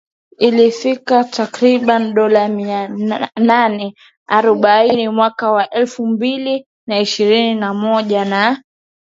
lilifikia takriban dola mia nane arobaini mwaka wa elfu mbili na ishirini na moja na